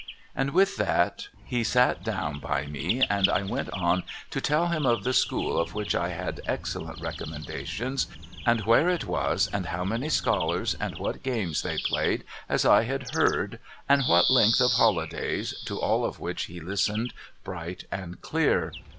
And with that he sat down by me and I went on to tell him of the school of which I had excellent recommen dations and where it was and how many scholars and what games they played as I had heard and what length of holidays, to all of which he listened bright and clear.